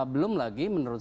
belum lagi menurut